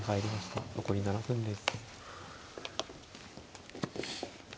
残り７分です。